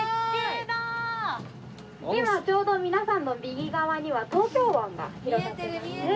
今ちょうど皆さんの右側には東京湾が広がってますね。